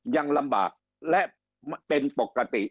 ยังลำบากและเป็นปกติ